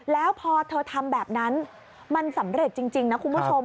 แล้วพอเธอทำแบบนั้นมันสำเร็จจริงนะคุณผู้ชม